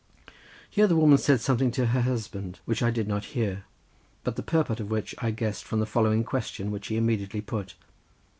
Here the woman said something to her husband, which I did not hear, but the purport of which I guessed from the following question which he immediately put.